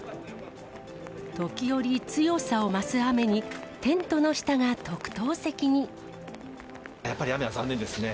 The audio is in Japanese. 時折、強さを増す雨に、やっぱり雨が残念ですね。